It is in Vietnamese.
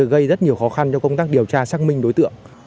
gây rất nhiều khó khăn cho công tác điều tra xác minh đối tượng